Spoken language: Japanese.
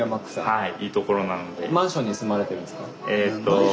はい！